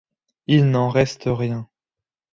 Il n’en reste rien.